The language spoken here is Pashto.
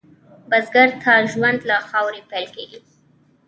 بزګر ته ژوند له خاورې پیل کېږي